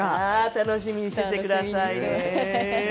楽しみにしていてくださいね。